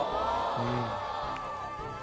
うん。